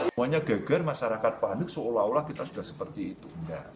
semuanya geger masyarakat panik seolah olah kita sudah seperti itu